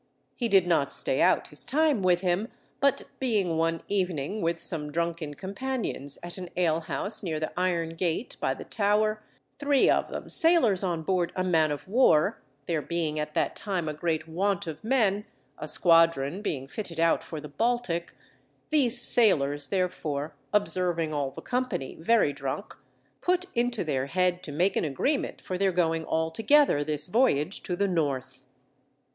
He did not stay out his time with him, but being one evening with some drunken companions at an alehouse near the Iron Gate by the Tower, three of them sailors on board a man of war (there being at that time a great want of men, a squadron being fitted out for the Baltic), these sailors, therefore, observing all the company very drunk, put into their heard to make an agreement for their going altogether this voyage to the North.